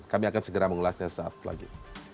kami akan segera mengulasnya saat lagi